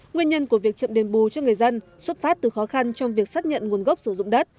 nguyên nhân của việc chậm đền bù cho người dân xuất phát từ khó khăn trong việc xác nhận nguồn gốc sử dụng đất